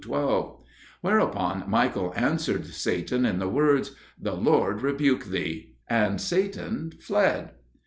12); whereupon Michael answered Satan in the words, "The Lord rebuke thee," and Satan fled.